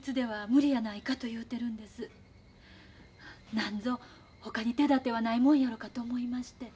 なんぞほかに手だてはないもんやろかと思いまして。